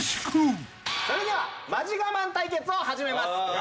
それではマジガマン対決を始めます。